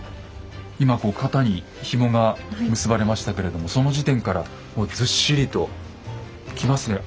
今こう肩にひもが結ばれましたけれどもその時点からもうずっしりときますね。